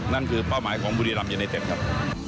นั่นคือเป้าหมายของภูเวลามีแฟนยูเนตเต็ดครับ